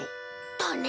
だね！